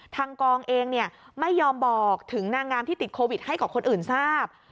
ทางกองเองไม่ยอมบอกถึงนางงามที่ติดโควิดให้กับคนอื่นทราบ